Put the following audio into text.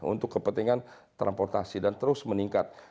untuk kepentingan transportasi dan terus meningkat